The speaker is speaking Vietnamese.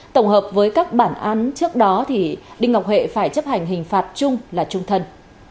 tổng hợp với các bản án trước đó đinh ngọc huệ phải chấp hành hình phạt chung là trung thân